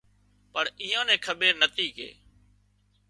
پڻ ايئان نين کٻير نٿي ڪي